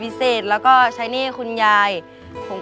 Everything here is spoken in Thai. เพื่อมีอะไรหน่อย